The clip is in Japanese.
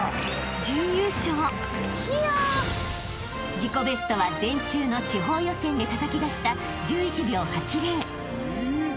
［自己ベストは全中の地方予選でたたき出した１１秒８０］